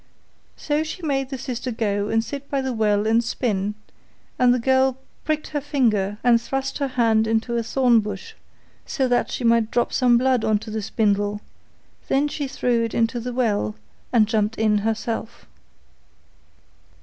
So she made the sister go and sit by the well and spin, and the girl pricked her finger and thrust her hand into a thorn bush, so that she might drop some blood on to the spindle; then she threw it into the well, and jumped in herself.